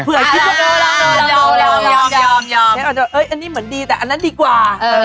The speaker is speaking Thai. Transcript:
อันนี้เหมือนดีแต่อันนั้นดีกว่า